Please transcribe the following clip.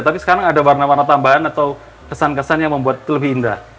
tapi sekarang ada warna warna tambahan atau kesan kesan yang membuat lebih indah